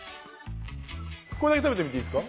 これだけ食べてみていいですか？